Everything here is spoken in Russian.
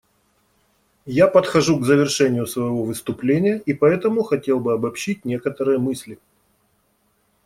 Я подхожу к завершению своего выступления, и поэтому хотел бы обобщить некоторые мысли.